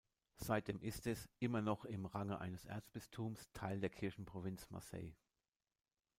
Seitdem ist es, immer noch im Range eines Erzbistums, Teil der Kirchenprovinz Marseille.